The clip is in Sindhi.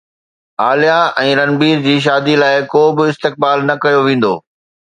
عاليا ۽ رنبير جي شادي لاءِ ڪو به استقبال نه ڪيو ويندو